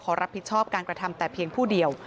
รับผิดชอบการกระทำแต่เพียงผู้เดียว